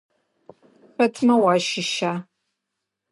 Хэтмэ уащыща?